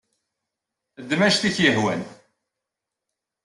Ddem anect ay ak-yehwan.